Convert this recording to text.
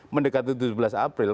mendekati tujuh belas april